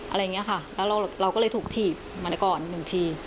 อะไรอย่างนี้ค่ะแล้วเราก็เลยถูกถีบมาก่อนหนึ่งที